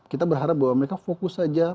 kita berharap bahwa mereka fokus saja